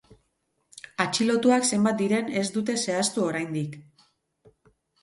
Atxilotuak zenbat diren ez dute zehaztu oraindik.